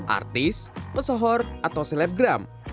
artis pesohor atau selebgram